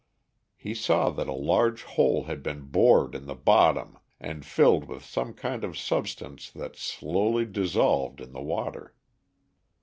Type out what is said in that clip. He saw that a large hole had been bored in the bottom and filled with some kind of substance that slowly dissolved in the water.